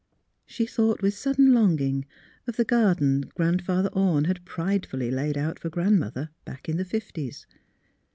She thought with sudden longing of the garden Grandfather Orne had pridefully laid out for Grandmother back in the fifties.